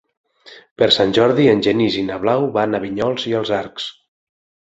Per Sant Jordi en Genís i na Blau van a Vinyols i els Arcs.